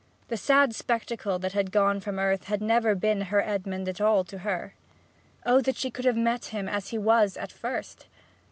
The sad spectacle that had gone from earth had never been her Edmond at all to her. O that she could have met him as he was at first!